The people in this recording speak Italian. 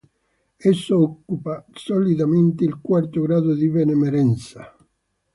Esso occupa solitamente il quarto grado di benemerenza.